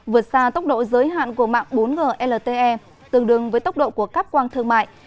vượt xa tốc độ giới hạn của mạng bốn g lte tương đương với tốc độ của các quang thương mại